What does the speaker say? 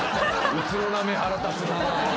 うつろな目腹立つな。